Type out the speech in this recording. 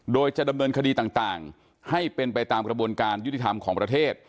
โดยจะดำเนินคดีต่างให้เป็นไปตามกระบวนการยุติธรรมของประเทศ